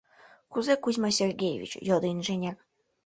— Кузе, Кузьма Сергеевич? — йодо инженер.